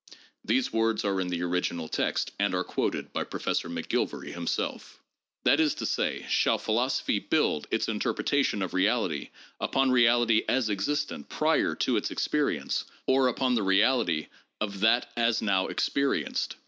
(These words are in the original text and are quoted by Professor McGilvary himself. ) That is to say, shall philosophy build its interpretation of reality upon reality as existent prior to its experience, or upon the reality of that 419 420 THE PHILOSOPHICAL REVIEW. [Vol. XVI. as now experienced